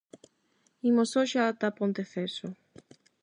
Imos hoxe ata Ponteceso.